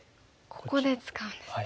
ここで使うんですね。